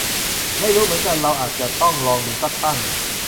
ไม่รู้เหมือนกัน เราอาจจะต้องลองดูซักตั้ง